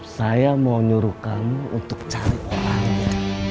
saya mau nyuruh kamu untuk cari orangnya